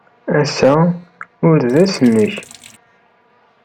Ass-a ur d ass-nnek.